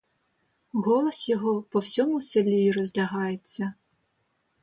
Голос його по всьому селі розлягається.